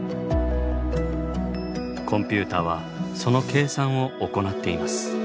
コンピューターはその計算を行っています。